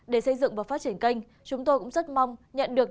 để xây dựng và phát triển kênh chúng tôi cũng rất mong nhận được